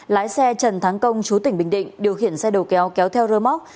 lái xe trần thắng công chú tỉnh bình định điều khiển xe đầu kéo kéo theo rơ móc